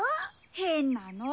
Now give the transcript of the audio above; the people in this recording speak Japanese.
へんなの。